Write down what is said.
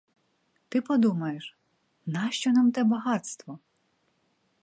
Та подумаєш: нащо нам те багатство?